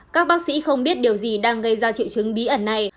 các bác sĩ không biết điều gì đang gây ra triệu chứng bí ẩn này